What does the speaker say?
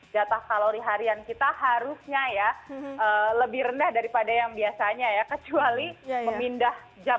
jatah kalori harian kita harusnya ya lebih rendah daripada yang biasanya ya kecuali memindah jam